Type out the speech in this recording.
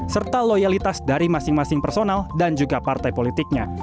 serta loyalitas dari masing masing personal dan juga partai politiknya